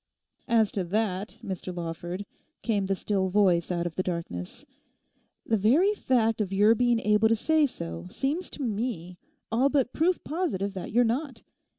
'As to that, Mr Lawford,' came the still voice out of the darkness; 'the very fact of your being able to say so seems to me all but proof positive that you're not.